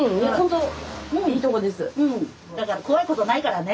だから怖いことないからね。